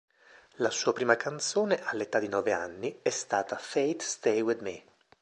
La sua prima canzone, all'età di nove anni, è stata "Fate Stay With Me".